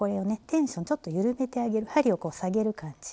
テンションをちょっと緩めてあげる針をこう下げる感じ。